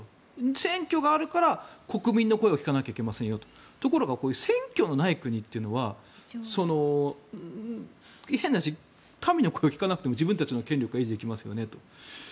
選挙があるから国民の声を聞かなきゃいけませんよとところが選挙のない国というのは変な話民の声を聞かなくても自分たちの権力は維持できますよねと。